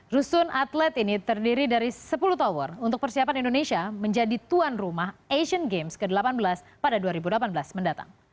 rusun atlet ini terdiri dari sepuluh tower untuk persiapan indonesia menjadi tuan rumah asian games ke delapan belas pada dua ribu delapan belas mendatang